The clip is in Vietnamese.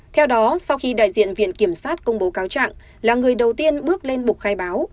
theo đó sau khi đại diện viện kiểm sát công bố cáo trạng là người đầu tiên bước lên bục khai báo